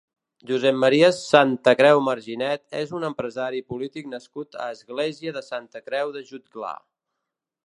Josep Maria Santacreu Marginet és un empresari i polític nascut a Església de Santa Creu de Jutglar.